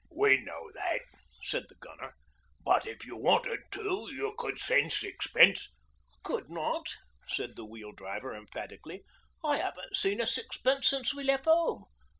'We know that,' said the Gunner; 'but if you wanted to you could send sixpence. ...' 'I could not,' said the Wheel Driver emphatically. 'I 'aven't seed a sixpence since we lef 'ome.